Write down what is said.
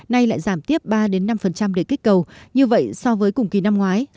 nay lại giảm tiếp ba năm để kích cầu như vậy so với cùng kỳ năm ngoái